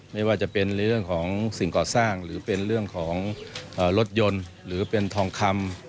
ไม่ว่าจะเป็นในเรื่องของสิ่งก่อสร้างหรือเป็นเรื่องของรถยนต์หรือเป็นทองคำ